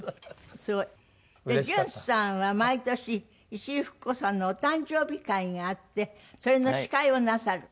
すごい。で順さんは毎年石井ふく子さんのお誕生日会があってそれの司会をなさる？